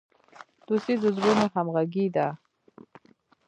دوستي د زړونو همغږي ده.